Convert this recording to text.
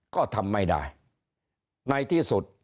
ก็ทำไม่ได้